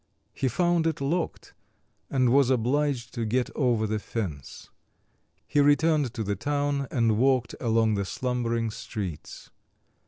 He found it locked and was obliged to get over the fence. He returned to the town and walked along the slumbering streets.